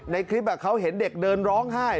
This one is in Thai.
ในคลิปเขาเห็นเด็กเดินร้องไห้